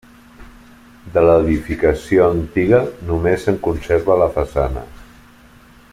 De l'edificació antiga només se'n conserva la façana.